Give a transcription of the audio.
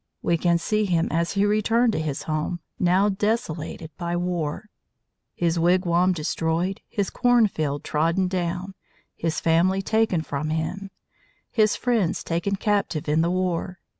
We can see him as he returned to his home, now desolated by war, his wigwam destroyed, his cornfield trodden down, his family taken from him, his friends taken captive in the war.